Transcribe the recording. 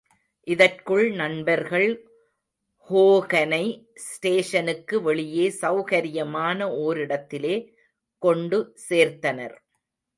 இதற்குள் நண்பர்கள் ஹோகனை ஸ்டேஷனுக்கு வெளியே செளகரியமான ஓரிடத்திலே கொண்டு சேர்த்தனர்.